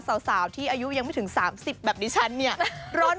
สาวที่อายุยังไม่ถึง๓๐แบบดิฉัน